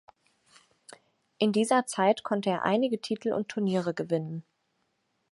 In dieser Zeit konnte er einige Titel und Turniere gewinnen.